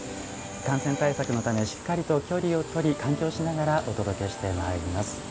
感染対策のためしっかりと距離を取り換気をしながらお届けしてまいります。